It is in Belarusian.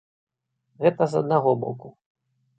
Гэта з аднаго боку.